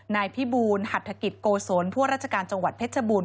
นายพี่บูนหัตถกิจโกศลพวกราชการจังหวัดเพชรบูน